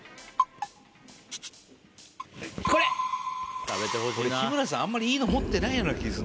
これ食べてほしいなあ日村さんあんまりいいの持ってないような気す